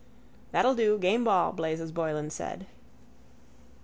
—That'll do, game ball, Blazes Boylan said.